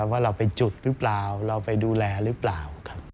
ว่าเราไปจุดหรือเปล่าเราไปดูแลหรือเปล่า